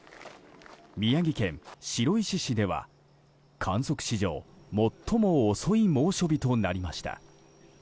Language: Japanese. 宮城県白石市では観測史上最も遅い猛暑日となりました。